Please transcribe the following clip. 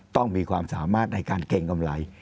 ต้องมีความสามารถในการเกรงกำไร